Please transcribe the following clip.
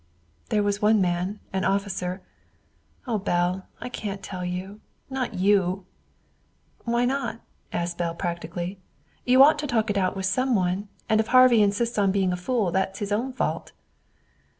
"There was one man, an officer Oh, Belle, I can't tell you. Not you!" "Why not!" asked Belle practically. "You ought to talk it out to some one, and if Harvey insists on being a fool that's his own fault."